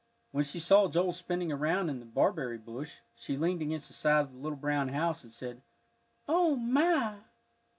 When she saw Joel spinning around in The Barberry Bush, she leaned against the side of the little brown house, and said, "O my!"